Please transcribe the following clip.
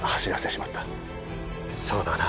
そうだな。